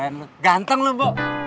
keren lu ganteng lu bo